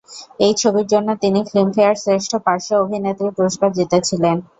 এই ছবির জন্য তিনি ফিল্মফেয়ার শ্রেষ্ঠ পার্শ্ব অভিনেত্রী পুরস্কার জিতেছিলেন।